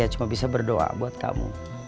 cuma bisa berdoa buat kamu